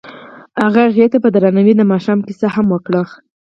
هغه هغې ته په درناوي د ماښام کیسه هم وکړه.